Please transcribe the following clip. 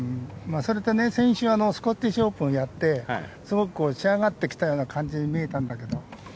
それとね先週、スコティッシュオープンをやってすごく仕上がってきたような感じに見えたんだけど。